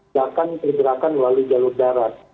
jalan tergerakan melalui jalur darat